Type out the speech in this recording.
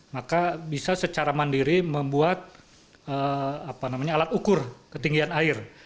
maka bisa secara mandiri membuat alat ukur ketinggian air